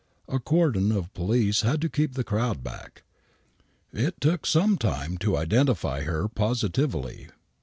A cordon of police had to keep the crowd back. It took some time to identify her positively.